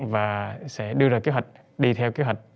và sẽ đưa ra kế hoạch đi theo kế hoạch